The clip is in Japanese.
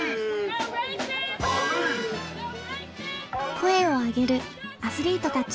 声を上げるアスリートたち。